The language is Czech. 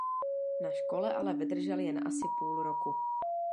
Na škole ale vydržel jen asi půl roku.